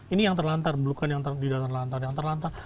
ini yang terlantar bukan yang tidak terlantar